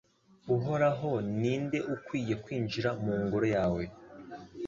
Uhoraho ni nde ukwiye kwinjira mu Ngoro yawe